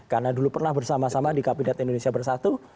karena dulu pernah bersama sama di kabinet indonesia bersatu